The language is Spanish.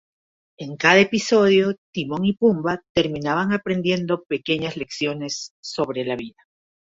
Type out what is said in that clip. En cada episodio Timón y Pumba terminaban aprendiendo pequeñas lecciones sobre la vida.